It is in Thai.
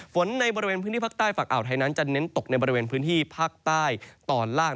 ในบริเวณพื้นที่ภาคใต้ฝั่งอ่าวไทยนั้นจะเน้นตกในบริเวณพื้นที่ภาคใต้ตอนล่าง